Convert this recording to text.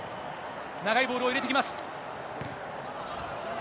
長いボールを入れてきます。